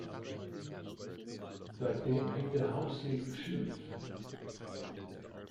Seitdem hängt der Haussegen schief.